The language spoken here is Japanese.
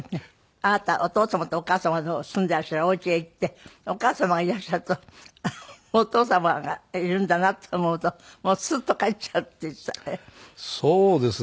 あなたお父様とお母様の住んでいらっしゃるおうちへ行ってお母様がいらっしゃるとお父様がいるんだなって思うともうスッと帰っちゃうって言ってたわね。